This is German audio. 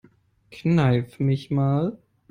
Kneif mich mal.